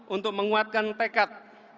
untuk menguatkan tekad